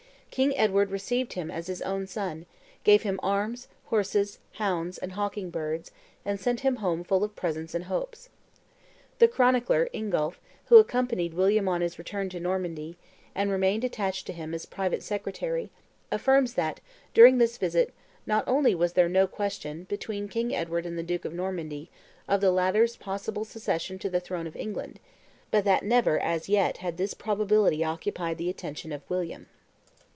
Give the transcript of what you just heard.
King Edward received him "as his own son, gave him arms, horses, hounds, and hawking birds," and sent him home full of presents and hopes. The chronicler, Ingulf, who accompanied William on his return to Normandy, and remained attached to him as private secretary, affirms that, during this visit, not only was there no question, between King Edward and the duke of Normandy, of the latter's possible succession to the throne of England, but that never as yet had this probability occupied the attention of William.